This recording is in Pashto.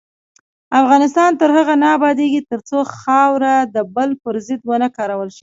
افغانستان تر هغو نه ابادیږي، ترڅو خاوره د بل پر ضد ونه کارول شي.